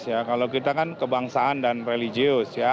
ya kalau kita kan kebangsaan dan religius ya